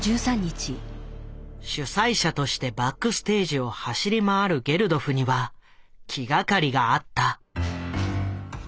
主催者としてバックステージを走り回るゲルドフには気がかりがあった。